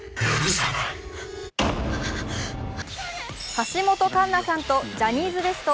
橋本環奈さんとジャニーズＷＥＳＴ